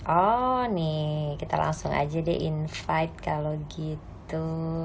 oh nih kita langsung aja deh invite kalau gitu